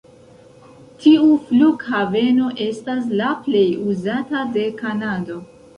Tiu flughaveno estas la plej uzata de Kanado.